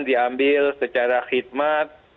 diambil secara khidmat